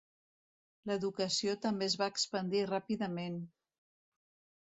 L'educació també es va expandir ràpidament.